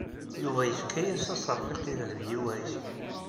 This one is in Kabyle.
Yuba yefka-yas aseṛfiq i Dehbiya u Ɛisiw.